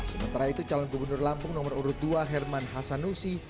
sementara itu calon gubernur lampung nomor urut dua herman hasanusi